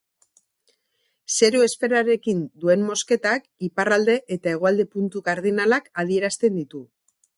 Zeru-esferarekin duen mozketak, iparralde eta hegoalde puntu kardinalak adierazten ditu.